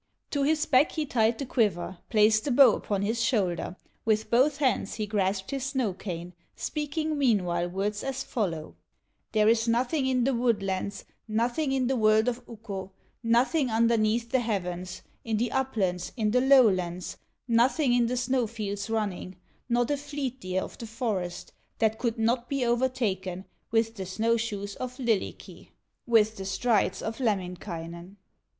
To his back he tied the quiver, Placed the bow upon his shoulder, With both hands he grasped his snow cane, Speaking meanwhile words as follow: "There is nothing in the woodlands, Nothing in the world of Ukko, Nothing underneath the heavens, In the uplands, in the lowlands, Nothing in the snow fields running, Not a fleet deer of the forest, That could not be overtaken With the snow shoes of Lylikki, With the strides of Lemminkainen."